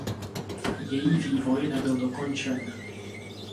Její vývoj nebyl dokončen.